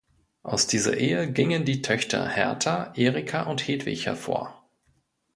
Aus dieser Ehe gingen die Töchter Hertha, Erika und Hedwig hervor.